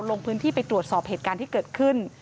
ลงพื้นที่ไปตรวจสอบเหตุการณ์ที่เกิดขึ้น